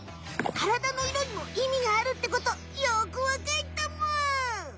からだの色にもいみがあるってことよくわかったむ！